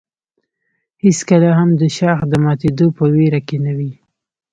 هېڅکله هم د شاخ د ماتېدو په ویره کې نه وي.